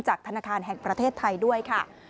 ธนาคารแห่งประเทศไทยด้วยค่ะ